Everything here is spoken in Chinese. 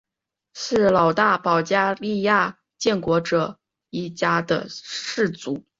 是老大保加利亚建国者一家的氏族。